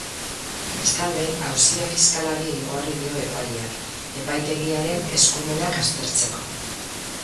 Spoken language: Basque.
Bestalde, auzia fiskalari igorri dio epaileak, epaitegiaren eskumenak aztertzeko.